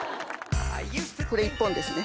これ１本ですね